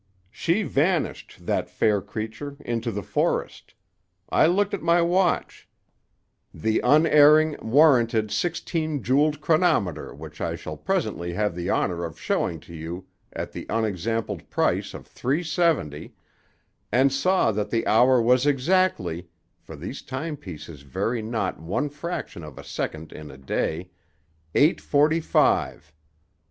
She vanished, that fair creature, into the forest. I looked at my watch—the unerring, warranted, sixteen jeweled chronometer which I shall presently have the honor of showing to you at the unexampled price of three seventy—and saw that the hour was exactly—for these timepieces vary not one fraction of a second in a day—eight forty five.